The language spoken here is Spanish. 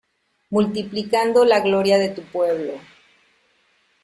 Multiplicando la gloria de tu pueblo.